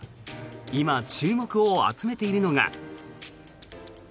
今、注目を集めているのが。